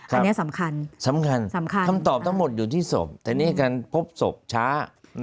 อันนี้สำคัญสำคัญคำตอบทั้งหมดอยู่ที่ศพแต่นี่การพบศพช้า